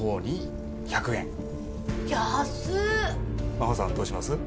真帆さんどうします？